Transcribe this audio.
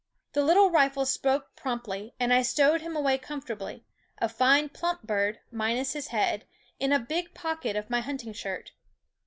The little rifle spoke promptly; and I stowed him away comfortably, a fine plump bird, minus his head, in a big pocket of my hunting shirt.